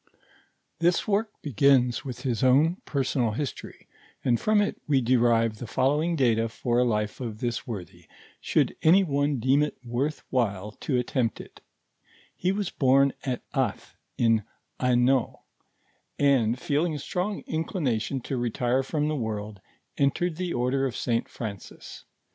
This work begins with his own personal hi8tx>ry, and from it we derive the following data for a life of this worthy, should any one deem it worth while to attempt it He was born at Ath, in Hainault, and feeling a strong inclination to retire from the world, entered the order of St. Francis.